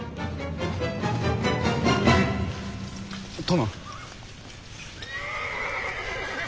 殿。